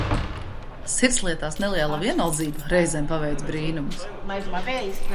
Sirdslietās neliela vienaldzība reizēm paveic brīnumus!